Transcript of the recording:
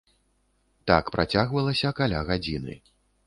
Так працягвалася каля гадзіны.